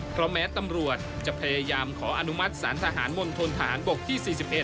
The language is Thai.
เพราะแม้ตำรวจจะพยายามขออนุมัติศาลทหารมณฑนฐานบกที่๔๑